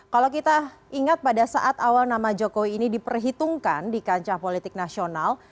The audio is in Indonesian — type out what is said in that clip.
kalau kita ingat pada saat awal nama jokowi ini diperhitungkan di kancah politik nasional